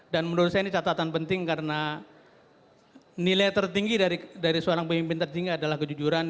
dan menurut saya ini catatan penting karena nilai tertinggi dari seorang pemimpin tertinggi adalah kejujuran